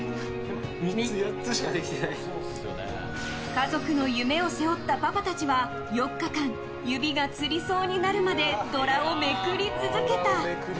家族の夢を背負ったパパたちは４日間指がつりそうになるまでドラをめくり続けた。